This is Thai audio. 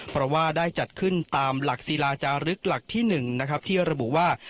เพราะว่าได้จัดขึ้นตามหลักศิลาจารึกหลักที่๑นะครับที่ระบุว่า